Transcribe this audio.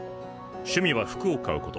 趣味は服を買うこと。